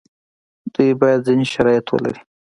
دوی باید ځینې شرایط ولري.